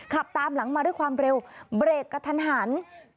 ขับตามหลังมาด้วยความเร็วเบรกกระทันหัน